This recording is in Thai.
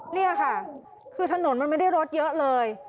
นี่ค่ะคือถนนมันไม่ได้รถเยอะเลย